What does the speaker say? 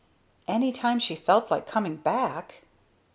"Any time she felt like coming back?